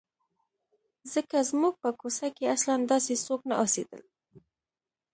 ځکه زموږ په کوڅه کې اصلاً داسې څوک نه اوسېدل.